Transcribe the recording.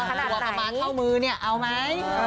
หัวประมาณเท่ามือเนี่ยเอาไหม